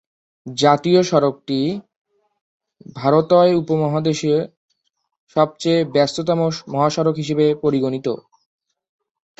জাতীয় সড়কটি ভারতয় উপমহাদেশের সবচেয়ে ব্যস্ততম মহাসড়ক হিসেবে পরিগণিত।